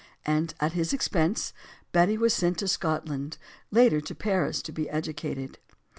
And, at his expense, Betty was sent to Scotland later to Paris to be educated.